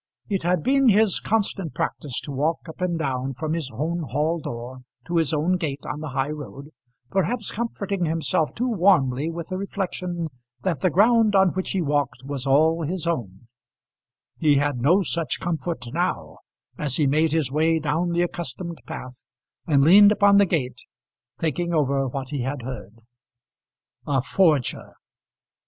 It had been his constant practice to walk up and down from his own hall door to his own gate on the high road, perhaps comforting himself too warmly with the reflection that the ground on which he walked was all his own. He had no such comfort now, as he made his way down the accustomed path and leaned upon the gate, thinking over what he had heard. [Illustration: Lucius Mason, as he leaned on the Gate that was no longer his own.] A forger!